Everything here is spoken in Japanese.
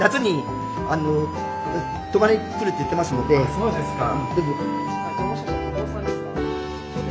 そうですか。